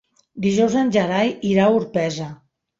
Dijous en Gerai irà a Orpesa.